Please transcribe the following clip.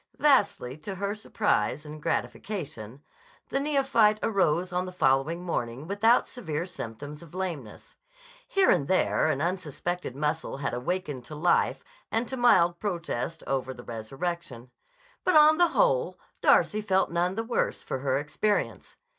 Vastly to her surprise and gratification, the neophyte arose on the following morning without severe symptoms of lameness. Here and there an unsuspected muscle had awakened to life and to mild protest over the resurrection. But on the whole Darcy felt none the worse for her experience.